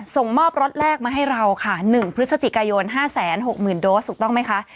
ส่งมอบรถแรกมาให้เราค่ะ๑พฤศจิกายน๕๖๐๐๐โดสถูกต้องไหมคะ